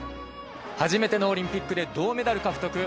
初めてのオリンピックで銅メダル獲得。